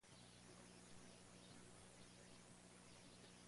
Tiene por tanto un carácter endorreico.